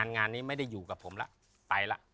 งานนี่ไม่ได้อยู่กับผมละไปละ